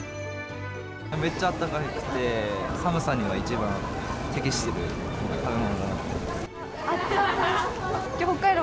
めっちゃあったかくて、寒さには一番適している食べ物だなと。